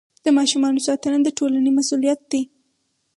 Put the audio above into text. د ماشومانو ساتنه د ټولنې مسؤلیت دی.